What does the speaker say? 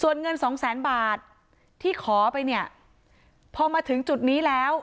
ส่วนเงินสองแสนบาทที่ขอไปเนี่ยพอมาถึงจุดนี้แล้ว